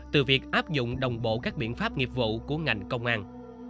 từ việc áp dụng đồng bộ các biện pháp nghiệp vụ của ngành công an